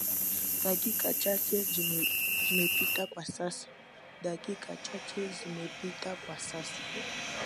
Dakika chache zimepita kwa sasa.